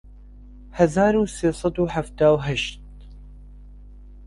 هەزار و سێ سەد و حەفتا و هەشت